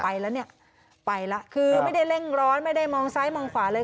ไปแล้วเนี่ยไปแล้วคือไม่ได้เร่งร้อนไม่ได้มองซ้ายมองขวาเลย